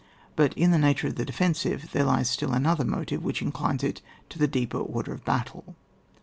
But in the nature of the defen sive there lies still another motive, which inclines it to the deeper order of battle.